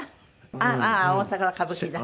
ああー大阪の歌舞伎座。